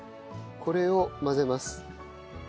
これを混ぜます。